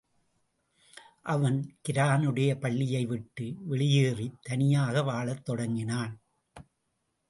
அவன் கிரானுடைய பள்ளியை விட்டு வெளியேறித் தனியாக வாழத் தொடங்கினான்.